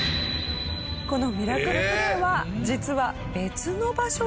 このミラクルプレーは実は別の場所でも。